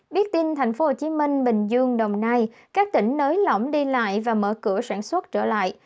biết tin thành phố hồ chí minh bình dương đồng nai các tỉnh nới lỏng đi lại và mở cửa sản xuất trở lại